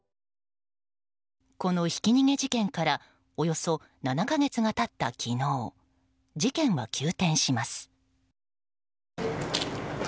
このひき逃げ事件からおよそ７か月が経った昨日事件は急転します。